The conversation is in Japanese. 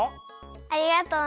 ありがとうね。